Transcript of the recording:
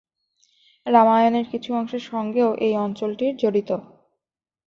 রামায়ণের কিছু অংশের সঙ্গেও এই অঞ্চলটির জড়িত।